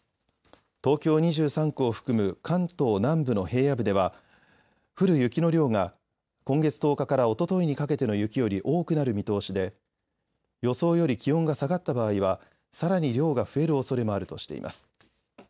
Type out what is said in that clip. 東京２３区を含む関東南部の平野部では降る雪の量が今月１０日からおとといにかけての雪より多くなる見通しで予想より気温が下がった場合はさらに量が増えるおそれもあるとしています。